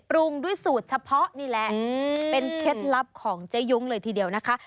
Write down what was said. ปรุงด้วยสูตรเฉพาะนี่แหละเป็นเคล็ดลับของเจ๊ยุ้งเลยทีเดียวนะคะ